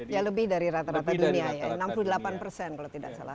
ya lebih dari rata rata dunia ya enam puluh delapan persen kalau tidak salah